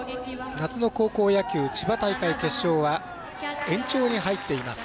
夏の高校野球千葉大会決勝は延長に入っています。